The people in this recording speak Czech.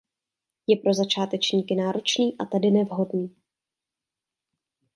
Je pro začátečníky náročný a tedy nevhodný.